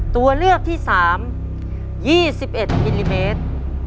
ตัวเลือกที่๓๒๑มิลลิเมตร